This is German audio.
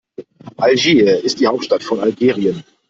Algier ist die Hauptstadt von Algerien.